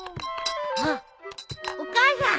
あっお母さん！